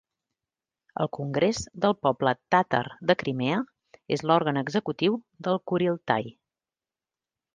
El Congrés del Poble Tàtar de Crimea és l'òrgan executiu del kuriltai.